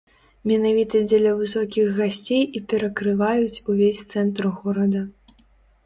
Менавіта дзеля высокіх гасцей і перакрываюць увесь цэнтр горада.